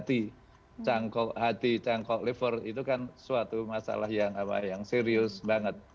jadi cangkok hati cangkok liver itu kan suatu masalah yang serius banget